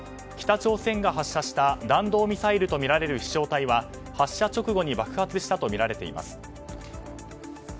北朝鮮が発射した弾道ミサイルとみられる飛翔体は発射直後に爆発したとみられています。